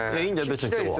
別に今日は。